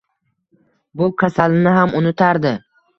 Bu kasalini ham unutardi.